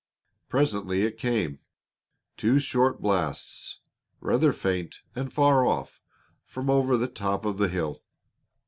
Presently it came, two short blasts, rather faint and far off, from over the top of the hill.